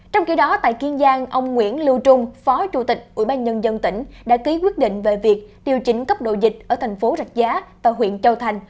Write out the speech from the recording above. trong khi đó tại kiên giang ông nguyễn lưu trung phó chủ tịch ubnd tỉnh đã ký quyết định về việc điều chỉnh cấp độ dịch ở thành phố rạch giá và huyện châu thành